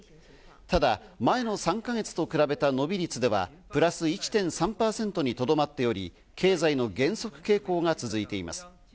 ただ、前の３か月と比べた伸び率ではプラス１．３％にとどまっており、経済の減速傾向が続いています。